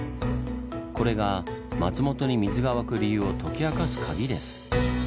これが松本に水が湧く理由を解き明かすカギです。